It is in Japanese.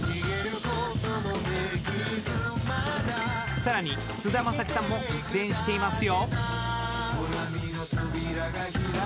更に、菅田将暉さんも出演していますよ。